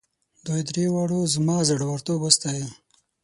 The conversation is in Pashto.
دوی دریو واړو زما زړه ورتوب وستایه.